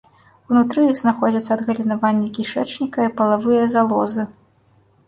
Унутры іх знаходзяцца адгалінаванні кішэчніка і палавыя залозы.